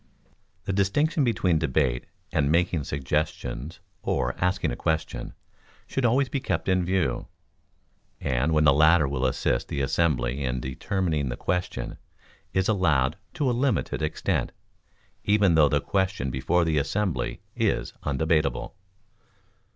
The distinction between debate and making suggestions or asking a question, should always be kept in view, and when the latter will assist the assembly in determining the question, is allowed to a limited extent, even though the question before the assembly is undebatable.